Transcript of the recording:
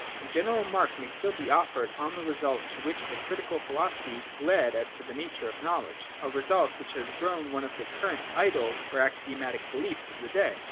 A general remark may still be offered on the result to which the Critical philosophy led as to the nature of knowledge ; a result which has grown one of the current ' idols ' or axiomatic beliefs of the day.